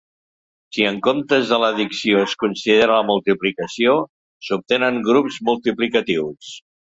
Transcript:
Si en comptes de l'addició es considera la multiplicació, s'obtenen grups multiplicatius.